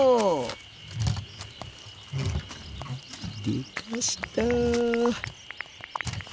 でかした。